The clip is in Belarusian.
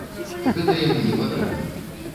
Гэта яму не патрэбна.